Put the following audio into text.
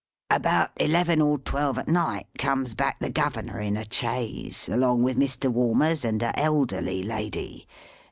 About eleven or twelve at night comes back the Governor in a chaise, along with Mr. Walmers and a elderly lady.